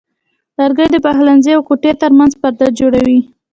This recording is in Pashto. لرګی د پخلنځي او کوټې ترمنځ پرده جوړوي.